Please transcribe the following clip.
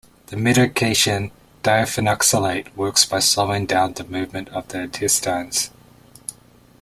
The medication diphenoxylate works by slowing down the movement of the intestines.